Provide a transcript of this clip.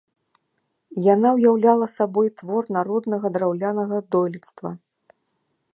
Яна ўяўляла сабой твор народнага драўлянага дойлідства.